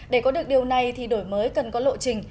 để có được điều này thì đổi mới cần có lộ trình